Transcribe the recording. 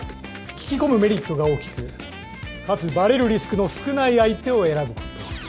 聞き込むメリットが大きくかつバレるリスクの少ない相手を選ぶこと。